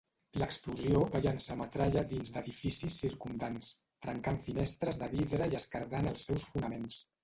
L'explosió va llançar metralla dins d'edificis circumdants, trencant finestres de vidre i esquerdant els seus fonaments.